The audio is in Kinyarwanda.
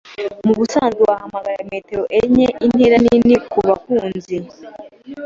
Mubisanzwe wahamagara metero enye intera nini kubakunzi.